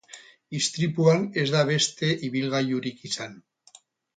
Istripuan ez da beste ibilgailurik izan.